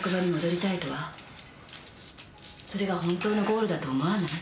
それが本当のゴールだと思わない？